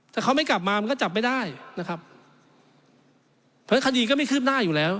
แต่เขาไม่กลับมามันก็จับไม่ได้นะครับเพราะคดีก็ไม่คืบหน้าอยู่แล้ว